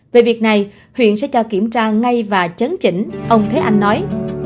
về việc này huyện sẽ cho kiểm tra ngay và chấn chỉnh ông thế anh nói